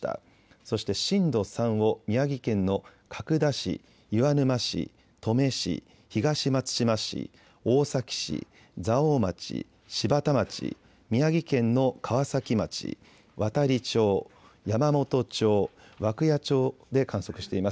そして震度３を宮城県の角田市、岩沼市、登米市、東松島市、大崎市、蔵王町、柴田町宮城県の川崎町、亘理町、山元町、涌谷町で観測しています。